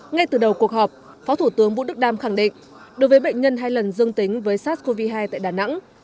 ngay từ đầu cuộc họp phó thủ tướng vũ đức đam khẳng định đối với bệnh nhân hai lần dương tính với sars cov hai tại đà nẵng